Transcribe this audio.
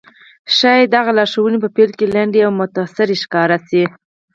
ښايي دغه لارښوونې په پيل کې لنډې او مختصرې ښکاره شي.